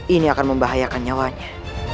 ini akan membahayakan nyawanya